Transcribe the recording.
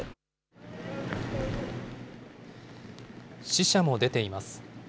死者も出ています。